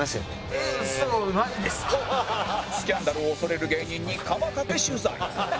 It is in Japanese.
スキャンダルを恐れる芸人にカマかけ取材